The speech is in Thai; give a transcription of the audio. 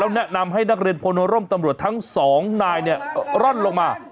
แนะนำให้นักเรียนพลร่มตำรวจทั้งสองนายเนี่ยร่อนลงมา